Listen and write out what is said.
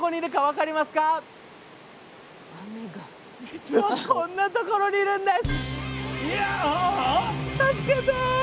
実はこんな所にいるんです！